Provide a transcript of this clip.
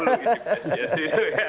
itu psis itu ya